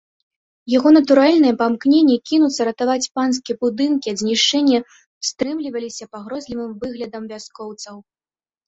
Яго натуральнае памкненне кінуцца ратаваць панскія будынкі ад знішчэння стрымліваліся пагрозлівым выглядам вяскоўцаў.